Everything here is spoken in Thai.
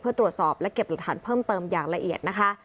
เพื่อตรวจสอบและเก็บหลักฐานเพิ่มเติมอย่างละเอียดนะคะ